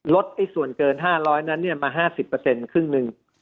ส่วนเกิน๕๐๐นั้นมา๕๐ครึ่งหนึ่ง